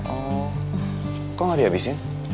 oh kok gak dihabisin